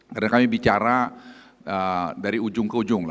karena kami bicara dari ujung ke ujung